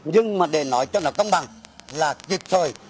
nhưng mà để nói cho nó công bằng là kịp thời